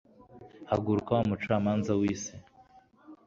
Haguruka wa mucamanza w’isi